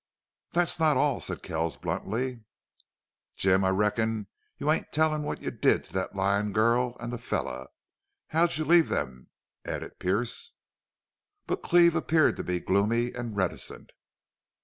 "That's not all," said Kells, bluntly. "Jim, I reckon you ain't tellin' what you did to thet lyin' girl an' the feller. How'd you leave them?" added Pearce. But Cleve appeared to become gloomy and reticent.